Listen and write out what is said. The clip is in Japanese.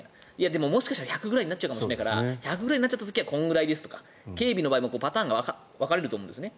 でももしかしたら１００くらいになっちゃうかもしれないから１００くらいになっちゃった時はこれくらいですとか警備の場合もパターンが分かれると思うんですね。